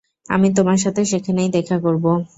আমি তোমার সাথে সেখানেই দেখা করবো।